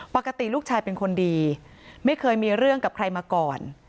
ปกติลูกชายเป็นคนดีไม่เคยมีเรื่องกับใครมาก่อน